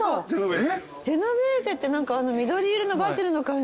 ジェノベーゼってあの緑色のバジルの感じ。